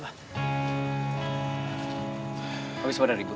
tengah mengambil pengocom adherirty keivm